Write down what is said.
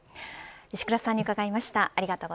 石倉さんに伺いました。